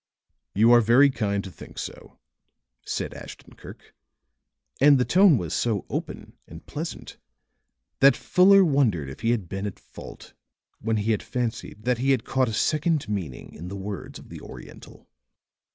"You are very kind to think so," said Ashton Kirk, and the tone was so open and pleasant that Fuller wondered if he had been at fault when he had fancied that he had caught a second meaning in the words of the Oriental.